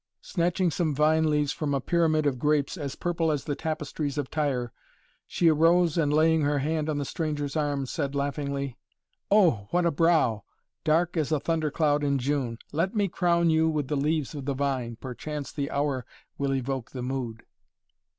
Snatching some vine leaves from a pyramid of grapes, as purple as the tapestries of Tyre, she arose and laying her hand on the stranger's arm, said laughingly: "Oh, what a brow! Dark as a thundercloud in June. Let me crown you with the leaves of the vine! Perchance the hour will evoke the mood!"